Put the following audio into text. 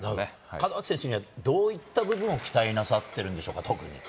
門脇選手にはどういった部分を期待なさってるんでしょうか、特に。